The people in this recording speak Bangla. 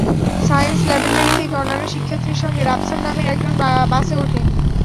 সায়েন্স ল্যাবরেটরি থেকে অন্যান্য শিক্ষার্থীর সঙ্গে রাফসান নামের একজন বাসে ওঠে।